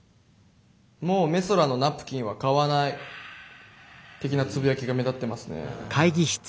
「もうＭＥＳＯＲＡのナプキンは買わない」的なつぶやきが目立ってますね。